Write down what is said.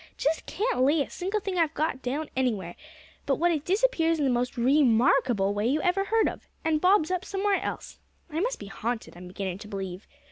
Just can't lay a single thing I've got down anywhere, but what it disappears in the most remarkable way you ever heard of, and bobs up somewhere else! I must be haunted, I'm beginnin' to believe.